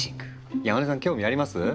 山根さん興味あります？